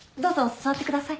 座ってください。